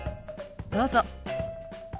どうぞ。